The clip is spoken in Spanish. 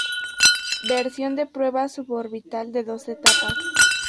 Versión de prueba suborbital, de dos etapas.